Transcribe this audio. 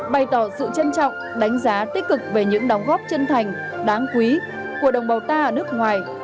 bày tỏ sự trân trọng đánh giá tích cực về những đóng góp chân thành đáng quý của đồng bào ta ở nước ngoài